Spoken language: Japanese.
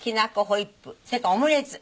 ホイップそれからオムレツ。